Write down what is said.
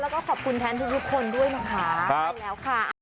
ขอบคุณทุกคนด้วยนะคะ